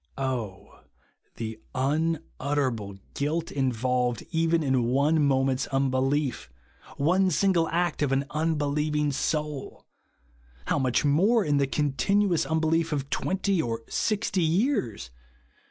Oh the unutterable guilt involved even in one moment's unbelief — one single act of an unbelieving soul I How much more in the continuous unbelief of twenty or sixty 3^ears